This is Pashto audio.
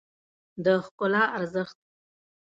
د ښکلا ارزښت